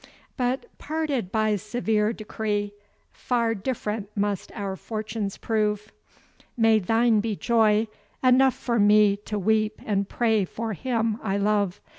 But parted by severe decree, Far different must our fortunes prove; May thine be joy enough for me To weep and pray for him I love.